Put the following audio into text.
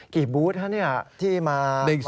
กี่บูธที่มา